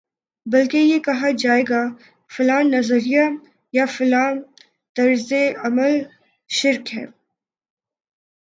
بلکہ یہ کہا جائے گا فلاں نظریہ یا فلاں طرزِ عمل شرک ہے